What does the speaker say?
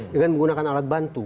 dengan menggunakan alat bantu